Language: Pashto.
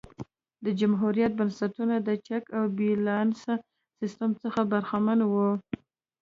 د جمهوریت بنسټونه د چک او بیلانس سیستم څخه برخمن وو